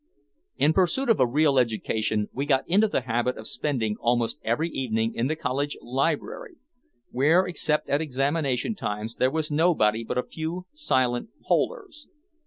In pursuit of "a real education" we got into the habit of spending almost every evening in the college library, where except at examination times there was nobody but a few silent "polers."